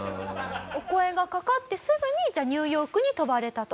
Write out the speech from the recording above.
お声が掛かってすぐにじゃあニューヨークに飛ばれたと。